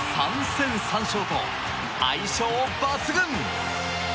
３戦３勝と相性抜群！